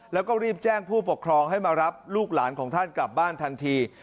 แล้วก็รีบแจ้งผู้ปกครองให้มารับลูกหลานของท่านกลับบ้านทันที